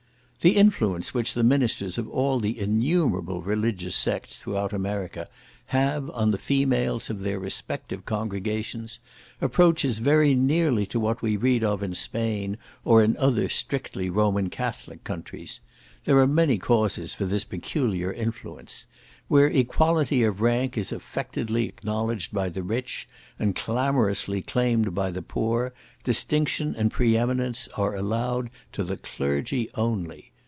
The influence which the ministers of all the innumerable religious sects throughout America, have on the females of their respective congregations, approaches very nearly to what we read of in Spain, or in other strictly Roman Catholic countries. There are many causes for this peculiar influence. Where equality of rank is affectedly acknowledged by the rich, and clamourously claimed by the poor, distinction and preeminence are allowed to the clergy only.